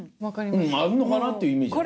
あるのかな？っていうイメージ。